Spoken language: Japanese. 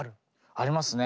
ありますね。